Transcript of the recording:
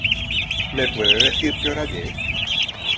Me puede decir qué hora ye?